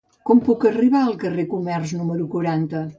Com puc arribar al carrer del Comerç número quaranta?